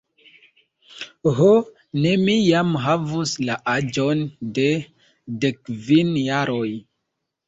Ho, se mi jam havus la aĝon de dekkvin jaroj!